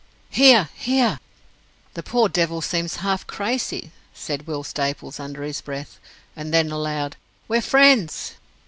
"Here! here!" "The poor devil seems half crazy," said Will Staples, under his breath; and then aloud, "We're FRIENDS!"